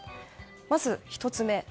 まず、１つ目。